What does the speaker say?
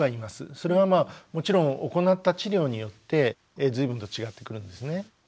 それはもちろん行った治療によって随分と違ってくるんですね。